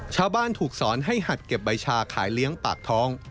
ชาวบ้านถูกสอนให้หัดเก็บใบชาขายเลี้ยงปากท้อง